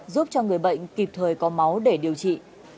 giúp cho người bệnh kịp thời có máu để điều trị